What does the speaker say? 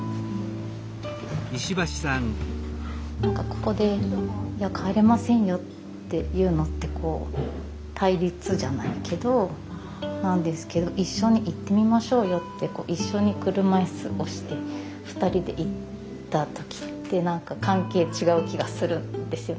ここで「いや帰れませんよ」って言うのって対立じゃないけどなんですけど「一緒に行ってみましょうよ」って一緒に車いす押して２人で行った時って何か関係違う気がするんですよね。